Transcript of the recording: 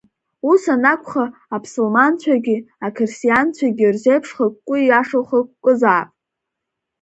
Ус анакәха, аԥсылманцәагьы ақьырсианцәагьы рзеиԥш хықәкы ииашоу хықәкызаап.